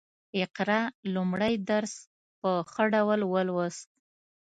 اقرا لومړی درس په ښه ډول ولوست